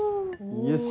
よし。